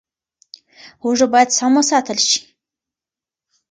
هوږه باید سم وساتل شي.